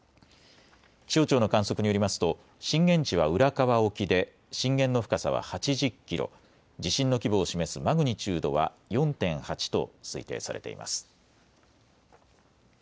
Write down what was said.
気象庁の観測によりますと震源地は浦河沖で震源の深さは８０キロ、地震の規模を示すマグニチュードは４．８と推定されています。